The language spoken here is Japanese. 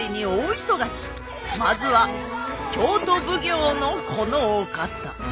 まずは京都奉行のこのお方。